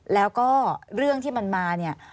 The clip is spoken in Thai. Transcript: แล้วก็เรื่องที่มันมาเนี่ย